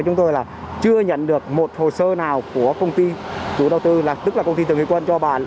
chúng tôi là chưa nhận được một hồ sơ nào của công ty chủ đầu tư là tức là công ty tường hy quân cho